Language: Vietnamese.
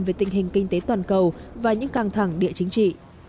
về tình hình kinh tế toàn cầu và những căng thẳng địa chính trị